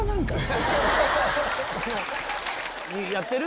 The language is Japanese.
やってる？